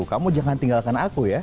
kamu jangan tinggalkan aku ya